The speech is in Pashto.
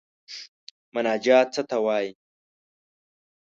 مناجات څه ته وايي.